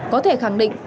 có thể khẳng định